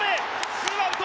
ツーアウト。